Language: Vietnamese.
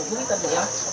người tên gì đó